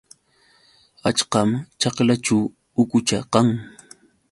Achkam ćhaklaćhu ukucha kan.